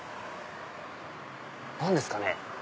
何ですかね？